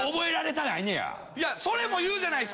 いやそれも言うじゃないっすか。